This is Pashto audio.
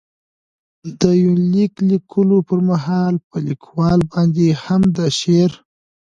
دې يونليک ليکلو په مهال، په ليکوال باندې هم د شعر.